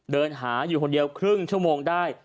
เดินหาอยู่คนเดียวครึ่งชั่วโมงได้